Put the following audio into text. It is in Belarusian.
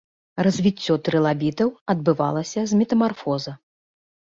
Развіццё трылабітаў адбывалася з метамарфоза.